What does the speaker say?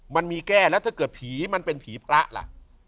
มันมีแก้แล้วถ้าเกิดผีมันเป็นผีพระล่ะ